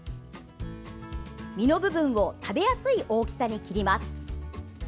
実の部分を食べやすい大きさに切ります。